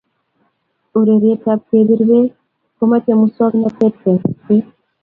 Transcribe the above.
Urerietab kebir beek ko mochei musoknoteetab kengus beek